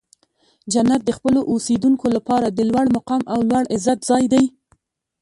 جنت د خپلو اوسیدونکو لپاره د لوړ مقام او لوړ عزت ځای دی.